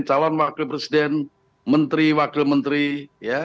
calon wakil presiden menteri wakil menteri ya